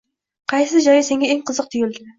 “Qaysi joyi senga eng qiziq tuyuldi?”.